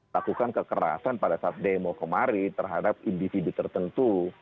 lakukan kekerasan pada saat demo kemarin terhadap individu tertentu